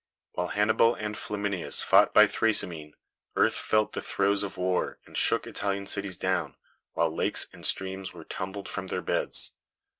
While Hannibal and Flaminius fought by Thrasymene, earth felt the throes of war, and shook Italian cities down, while lakes and streams were tumbled from their beds.